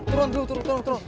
turun turun turun